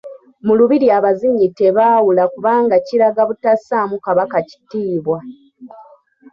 Mu Lubiri abazinyi tebaawula kubanga kiraga butassaamu Kabaka Kitiibwa.